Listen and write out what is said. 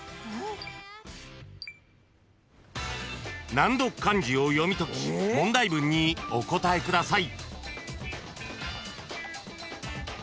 ［難読漢字を読み解き問題文にお答えください］